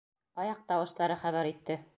— Аяҡ тауыштары хәбәр итте.